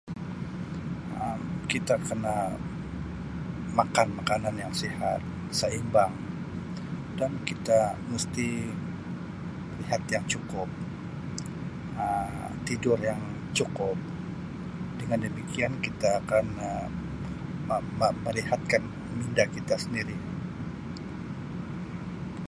Um Kita kena makan makanan yang sihat, saimbang dan kita mesti berihat yang cukup, Um tidur yang cukup dengan demikian kita akan Um ma-ma-marehatkan minda kita sendiri.